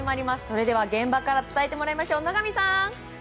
それでは現場から伝えてもらいましょう。